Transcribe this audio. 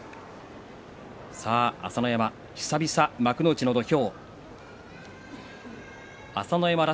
朝乃山、久々、幕内の土俵。